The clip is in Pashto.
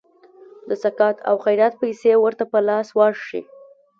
د سقاط او خیرات پیسي ورته په لاس ورشي.